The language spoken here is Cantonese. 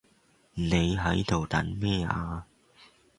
你喺度等咩呀